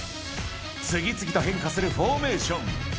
次々と変化するフォーメーション。